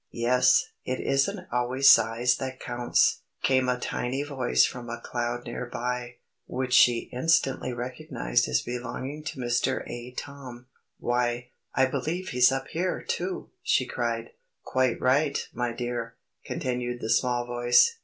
"Yes, it isn't always size that counts," came a tiny voice from a cloud near by, which she instantly recognised as belonging to Mr. Atom. "Why, I believe he's up here, too!" she cried. "Quite right, my dear," continued the small voice.